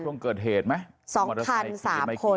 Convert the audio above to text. สองคันสามคน